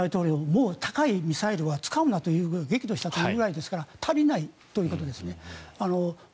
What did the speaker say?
もう高いミサイルは使うなと激怒したというくらいですから足りないということですね。